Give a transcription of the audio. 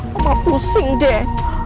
mama pusing deh